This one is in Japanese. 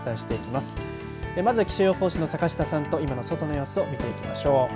まずは、気象予報士の坂下さんと外の様子を見ていきましょう。